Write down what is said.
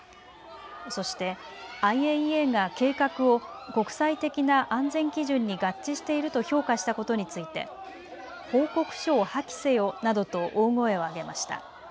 そして、ＩＡＥＡが計画を国際的な安全基準に合致していると評価したことについて報告書を破棄せよなどと大声を上げました。